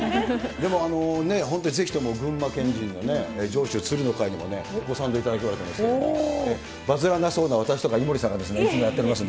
でも、本当にぜひとも群馬県人の上州鶴の会にもご賛同いただいてますけれども、バズらなそうな、私とか井森さんがいつもやっております